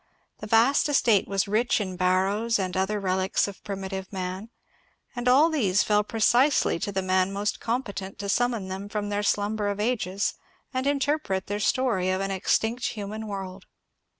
The vast estate was rich in barrows and other relics of primitive man, and all these fell precisely to the man most competent to summon them from their slumber of ages and interpret their story of an extinct human world.